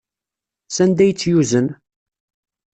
Sanda ay tt-yuzen?